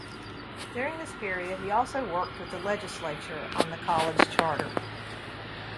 During this period, he also worked with the legislature on the college charter.